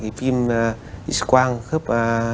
cái phim hitsquang khớp